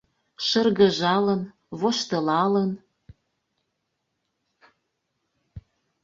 Шыргыжалын, воштылалын